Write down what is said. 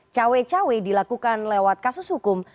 cawe cawe dilakukan lewat kasus hukum